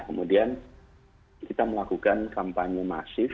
kemudian kita melakukan kampanye masif